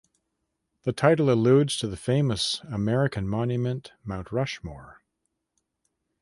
The title alludes to the famous American monument Mount Rushmore.